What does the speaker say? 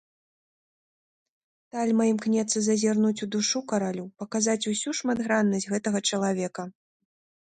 Тальма імкнецца зазірнуць у душу каралю, паказаць усю шматграннасць гэтага чалавека.